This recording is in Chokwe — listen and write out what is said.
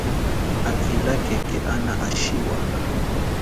Avila khekhe ana a shiwa.